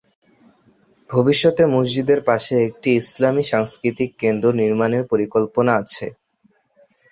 ভবিষ্যতে মসজিদের পাশে একটি ইসলামী সাংস্কৃতিক কেন্দ্র নির্মাণের পরিকল্পনা আছে।